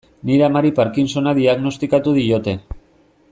Nire amari Parkinsona diagnostikatu diote.